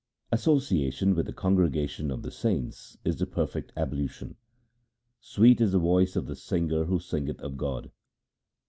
Association with the congregation of the saints is the perfect ablution. Sweet is the voice of the singer who singeth of God.